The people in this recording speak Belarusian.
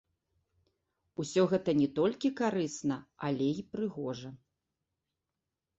Усё гэта не толькі карысна, але й прыгожа.